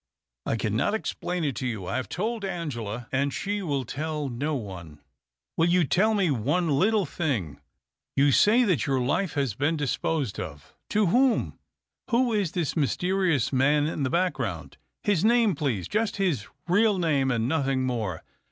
" I cannot explain it to you. I have told Angela, and she will tell no one." " Will you tell me one little thing? You say that your life has been disposed of. To whom ? Who is this mysterious man in the background ? His name, please — ^just his real name and nothing more.